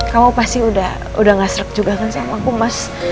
kamu pasti udah gak serek juga kan sama aku mas